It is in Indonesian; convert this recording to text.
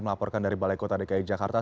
melaporkan dari balai kota dki jakarta